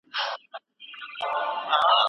فلسفې د پرمختګ مفاهیم راوړل.